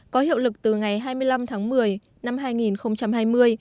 có hiệu lực từ ngày hai mươi năm tháng một mươi năm hai nghìn hai mươi